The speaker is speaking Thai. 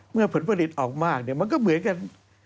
ผลผลิตออกมากมันก็เหมือนกัน